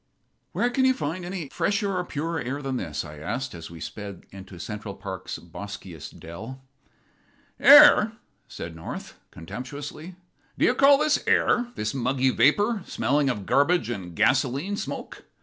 "Where can you find air any fresher or purer than this?" I asked, as we sped into Central's boskiest dell. "Air!" said North, contemptuously. "Do you call this air? this muggy vapor, smelling of garbage and gasoline smoke.